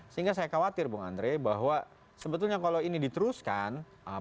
sehingga saya khawatir bung andre bahwa sebetulnya kalau ini diteruskan